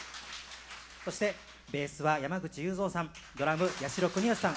そしてベースは山口雄三さんドラム八城邦義さん。